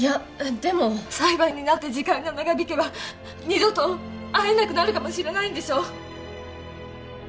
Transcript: でも裁判になって時間が長引けば二度と会えなくなるかもしれないんでしょ？